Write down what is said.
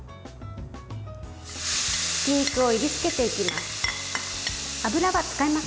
ひき肉をいりつけていきます。